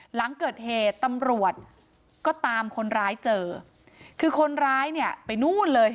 หลังเกิดเหตุตำรวจก็ตามคนร้ายเจอคือคนร้ายเนี่ยไปนู่นเลย